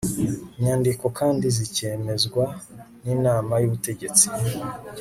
nyandiko kandizikemezwe n inama y ubutegetsi